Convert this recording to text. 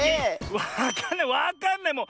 わかんないわかんないもう。